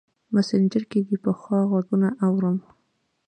مسینجر کې دې پخوا غـــــــږونه اورم